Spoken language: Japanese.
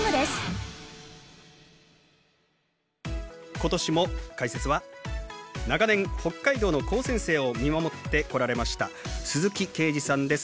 今年も解説は長年北海道の高専生を見守ってこられました鈴木恵二さんです。